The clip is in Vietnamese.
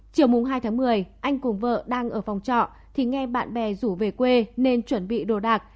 chiều hai tháng một mươi anh cùng vợ đang ở phòng trọ thì nghe bạn bè rủ về quê nên chuẩn bị đồ đạc